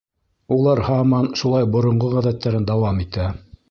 Улар һаман шулай боронғо ғәҙәттәрен дауам итә.